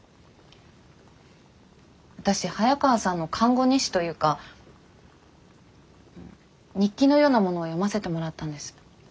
私早川さんの看護日誌というか日記のようなものを読ませてもらったんです。